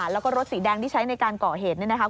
แล้วก็รถสีแดงที่ใช้ในการก่อเหตุเนี่ยนะคะ